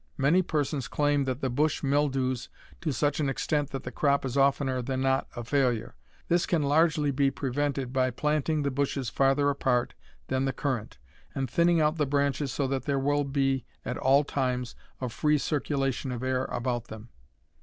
Many persons claim that the bush mildews to such an extent that the crop is oftener than not a failure. This can largely be prevented by planting the bushes farther apart than the currant, and thinning out the branches so that there will at all times be a free circulation of air about them.